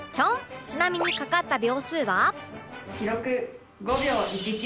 ちなみにかかった秒数は